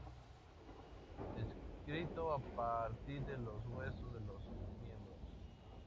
Descrito a partir de dos huesos de los miembros.